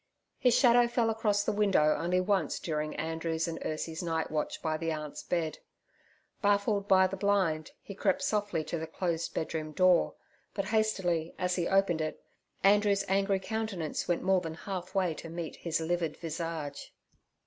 His shadow fell across the window only once during Andrew's and Ursie's nightwatch by the aunt's bed. Baffled by the blind, he crept softly to the closed bedroom door, but hastily as he opened it, Andrew's angry countenance went more than half way to meet his livid visage.